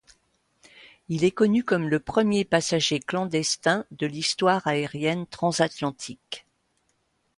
Il est connu comme le premier passager clandestin de l’histoire aérienne transatlantique.